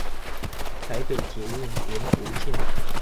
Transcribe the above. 台北捷運文湖線